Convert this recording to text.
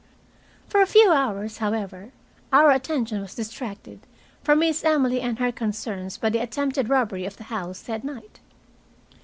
For a few hours, however, our attention was distracted from Miss Emily and her concerns by the attempted robbery of the house that night.